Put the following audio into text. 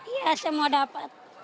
iya semua dapat